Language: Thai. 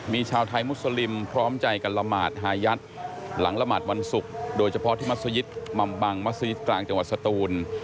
มีชาวไทยมุสลิมพร้อมใจกันละหมาดฮายัดหลังละหมาดวันศุกร์โดยเฉพาะที่มัศยิตหม่ำบังมัศยิตกลางจังหวัดสตูน